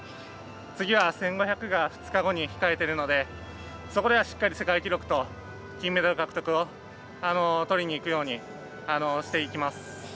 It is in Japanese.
次は１５００が２日後に控えているのでそこでは、しっかり世界記録と金メダル獲得をとりにいくようにしていきます。